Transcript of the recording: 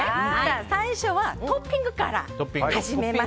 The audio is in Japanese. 最初はトッピングから始めます。